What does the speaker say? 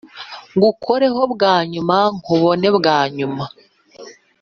ngukoreho bwa nyumankubone bwa nyuma